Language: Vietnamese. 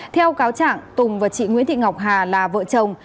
theo cáo trạng tùng và chị nguyễn thị ngọc hà là vợ chồng